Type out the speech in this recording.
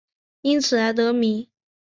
因此而得名。